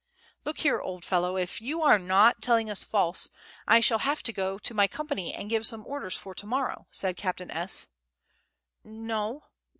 "Look here, old fellow, if you are not telling us false, I shall have to go to my company and give some orders for to morrow," said Captain S. "No